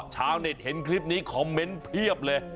ชาวเน็ตเห็นคลิปนี้คอมเมนต์เพียบเลย